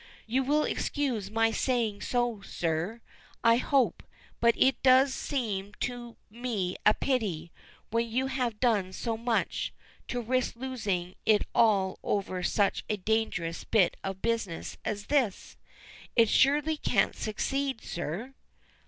You will excuse my saying so, sir, I hope, but it does seem to me a pity, when you have done so much, to risk losing it all over such a dangerous bit of business as this. It surely can't succeed, sir?"